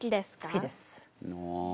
好きです。